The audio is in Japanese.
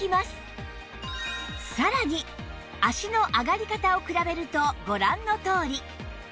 さらに脚の上がり方を比べるとご覧のとおり